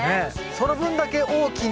その分だけ大きな？